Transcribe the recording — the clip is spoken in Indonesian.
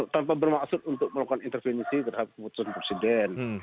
tanpa bermaksud untuk melakukan intervensi terhadap keputusan presiden